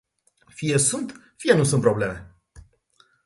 Fie sunt, fie nu sunt probleme.